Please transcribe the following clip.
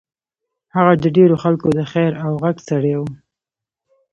هغه د ډېرو خلکو د خېر او غږ سړی و.